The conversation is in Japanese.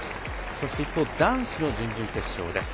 そして一方、男子の準々決勝です。